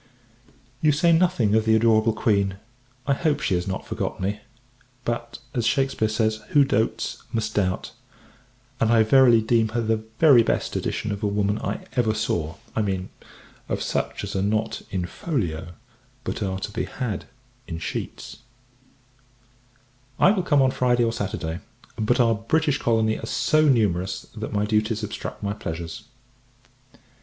You say nothing of the adorable Queen; I hope, she has not forgot me: but, as Shakespeare says, "Who doats, must doubt;" and I verily deem her the very best edition of a woman I ever saw I mean; of such as are not in folio, and are to be had in sheets. I will come on Friday or Saturday; but our British colony are so numerous, that my duties obstruct my pleasures.